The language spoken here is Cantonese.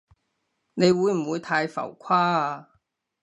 你會唔會太浮誇啊？